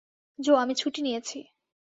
জো, আমি ছুটি নিয়েছি।